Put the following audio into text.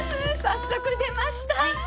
早速出ました！